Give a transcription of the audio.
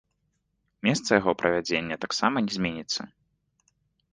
Месца яго правядзення таксама не зменіцца.